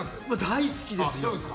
大好きです。